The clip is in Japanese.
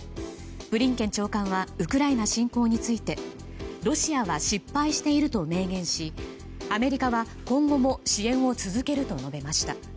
ブリンケン長官はウクライナ侵攻についてロシアは失敗していると明言しアメリカは今後も支援を続けると述べました。